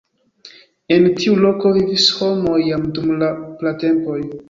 En tiu loko vivis homoj jam dum la pratempoj.